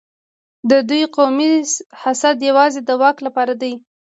د دوی قومي حسد یوازې د واک لپاره دی.